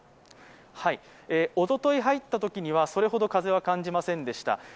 おととい入ったときにはそれほど風は感じませんでした。